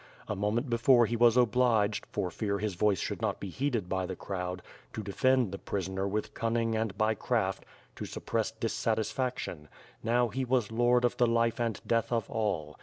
A moment before he was obliged, for fear his voice should not be heeded by the crowd, to defend the prisoner with cunning and by craft to suppress dissatisfac tion; now he was lord of the life and death of all.